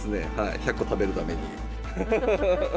１００個食べるために。